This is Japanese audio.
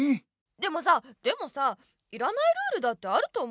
でもさでもさいらないルールだってあると思うよ。